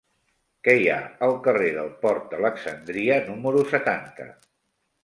Què hi ha al carrer del Port d'Alexandria número setanta?